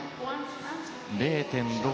０．６